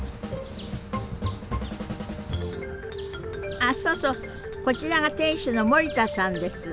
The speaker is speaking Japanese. あそうそうこちらが店主の森田さんです。